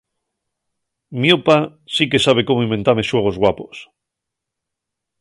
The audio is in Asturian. Mio pá sí que sabe cómo inventame xuegos guapos.